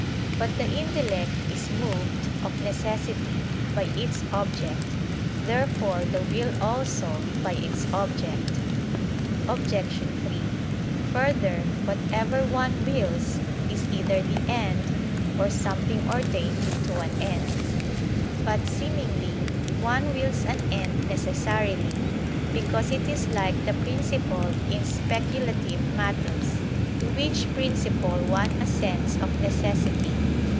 But the intellect is moved, of necessity, by its object: therefore the will also, by its object. Obj. 3: Further, whatever one wills, is either the end, or something ordained to an end. But, seemingly, one wills an end necessarily: because it is like the principle in speculative matters, to which principle one assents of necessity.